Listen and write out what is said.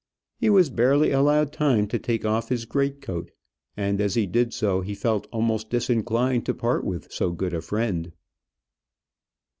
He was barely allowed time to take off his greatcoat, and, as he did so, he felt almost disinclined to part with so good a friend.